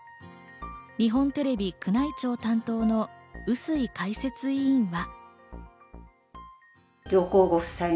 日本テレビ宮内庁担当の笛吹解説委員は。